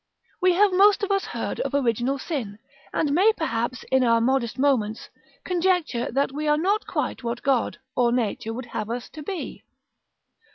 We have most of us heard of original sin, and may perhaps, in our modest moments, conjecture that we are not quite what God, or nature, would have us to be.